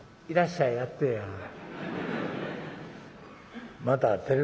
『いらっしゃい』やってえや。